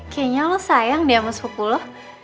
kayaknya lo sayang deh sama sepupu lo